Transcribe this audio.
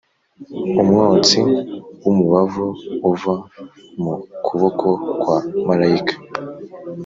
Umwotsi w’umubavu uva mu kuboko kwa marayika,